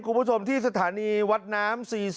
คุณผู้ชมที่สถานีวัดน้ำ๔๐